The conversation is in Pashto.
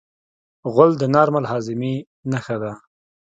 غول د نارمل هاضمې نښه ده.